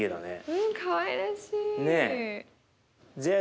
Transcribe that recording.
うんかわいらしい。